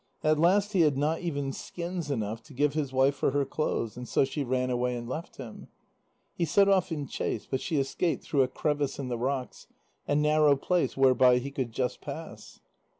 At last he had not even skins enough to give his wife for her clothes, and so she ran away and left him. He set off in chase, but she escaped through a crevice in the rocks, a narrow place whereby he could just pass.